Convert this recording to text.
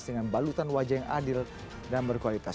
dengan balutan wajah yang adil dan berkualitas